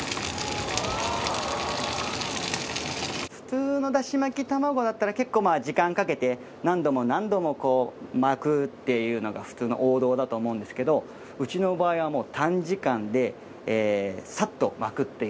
普通のだしまき玉子だったら結構時間かけて何度も何度も巻くっていうのが普通の王道だと思うんですけどうちの場合はもう。